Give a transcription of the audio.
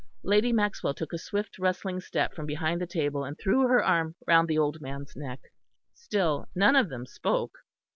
Lady Maxwell took a swift rustling step from behind the table, and threw her arm round the old man's neck. Still none of them spoke.